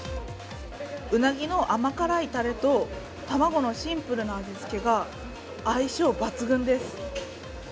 うなぎの甘辛いたれと、卵のシンプルな味付けが相性抜群です。